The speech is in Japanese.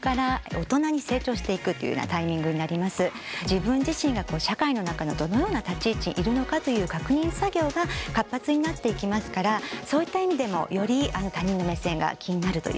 自分自身が社会の中のどのような立ち位置にいるのかという確認作業が活発になっていきますからそういった意味でもより他人の目線が気になるということになります。